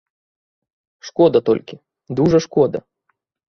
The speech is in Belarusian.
Шкода толькі, дужа шкода.